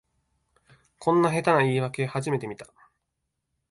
こんな下手な言いわけ初めて見た